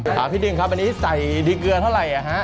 ค่ะพี่ดึงครับอันนี้ใส่ดีเกลือเท่าไร